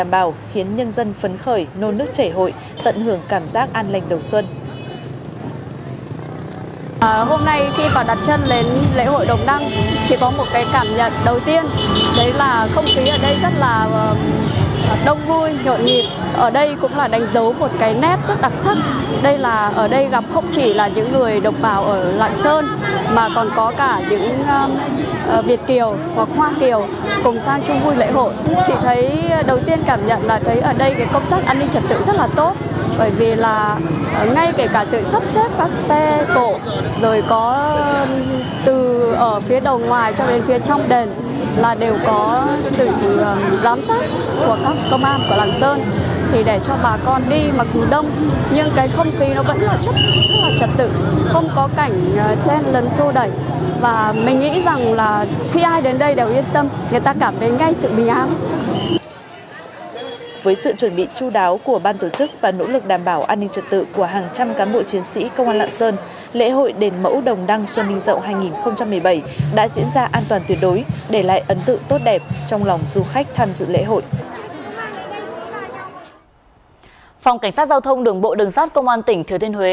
phòng cảnh sát giao thông đường bộ đường sát công an tỉnh thứa thiên huế